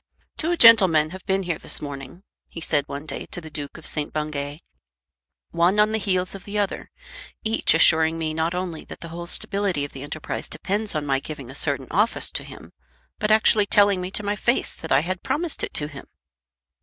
"Two gentlemen have been here this morning," he said one day to the Duke of St. Bungay, "one on the heels of the other, each assuring me not only that the whole stability of the enterprise depends on my giving a certain office to him, but actually telling me to my face that I had promised it to him!"